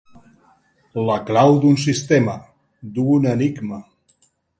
La clau d'un sistema, d'un enigma.